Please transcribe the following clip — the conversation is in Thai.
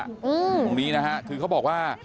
ตรงนี้นะฮะคือเขาบอกว่า